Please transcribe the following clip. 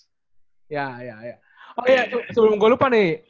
oh iya sebelum gue lupa nih